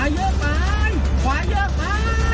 เมา